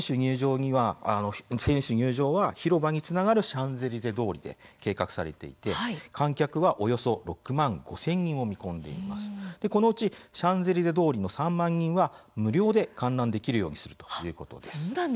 選手入場は、広場につながるシャンゼリゼ通りで計画されていて観客は、およそ６万５０００人を見込んでいて、このうちシャンゼリゼ通りの３万人は無料で観覧できるようにするということです。